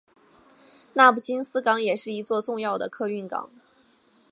那不勒斯港也是一座重要的客运港。